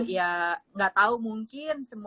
ya gak tau mungkin